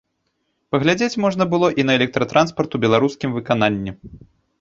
Паглядзець можна было і на электратранспарт у беларускім выкананні.